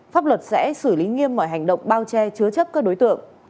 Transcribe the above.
pháp luật sẽ xử lý nghiêm mọi hành động bao che chứa chấp các đối tượng